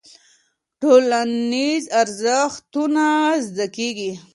ټولنيز ارزښتونه زده کيږي.